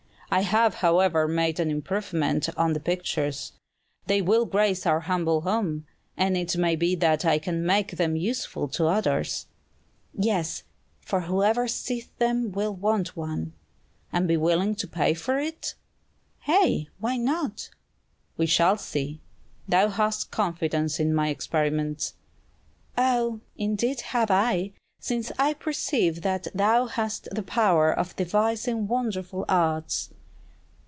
I have, however, made an improvement on the pictures; they will grace our humble home, and it may be that I can make them useful to others." "Yes, for whoever seeth them will want one." "And be willing to pay for it?" "Aye, why not?" "We shall see. Thou hast confidence in my experiments." "Ah, indeed have I; since I perceive that thou hast the power of devising wonderful arts!"